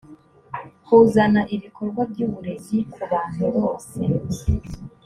kuzana ibikorwa by uburezi ku bantu bose